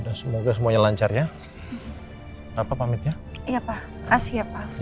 hai semoga semuanya lancar ya pak pamit ya iya pak kasih ya pak